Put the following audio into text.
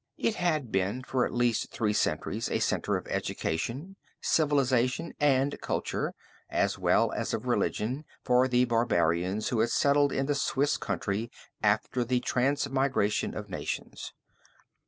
It had been for at least three centuries a center of education, civilization and culture, as well as of religion, for the barbarians who had settled in the Swiss country after the trans migration of nations.